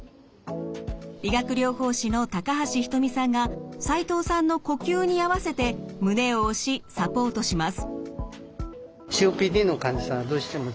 理学療法士の橋仁美さんが齋藤さんの呼吸に合わせて胸を押しサポートします。